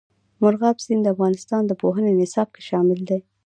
مورغاب سیند د افغانستان د پوهنې نصاب کې شامل دی.